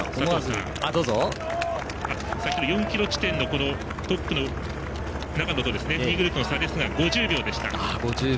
先程、４ｋｍ地点のトップの長野と２位グループとの差は５０秒でした。